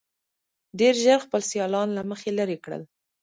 ډېر ژر خپل سیالان له مخې لرې کړل.